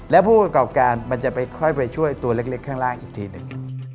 และผู้ประกอบการมันจะไปค่อยไปช่วยตัวเล็กข้างล่างอีกทีหนึ่ง